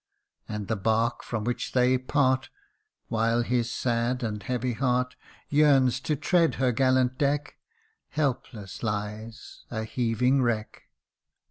And the bark from which they part, (While his sad and heavy heart Yearns to tread her gallant deck,) Helpless lies, a heaving wreck